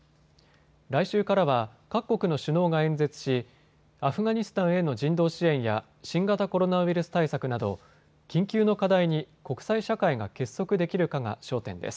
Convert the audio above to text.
来週からは各国の首脳が演説しアフガニスタンへの人道支援や新型コロナウイルス対策など緊急の課題に国際社会が結束できるかが焦点です。